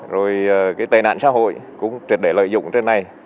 rồi cái tài nạn xã hội cũng trực để lợi dụng trên này